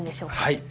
はい。